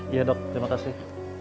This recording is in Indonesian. iya dok terima kasih